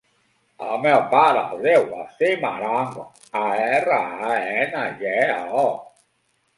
El meu pare es diu Wassim Arango: a, erra, a, ena, ge, o.